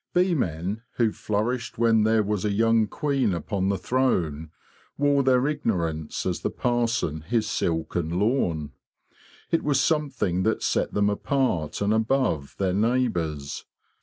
Bee men, who flourished when there was a young queen upon the threne, wore their ignorance as the parson his silk and lawn. It was something that set them apart and above their neighbours.